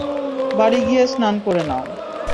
বাড়ি গিয়ে স্নান করে নাও।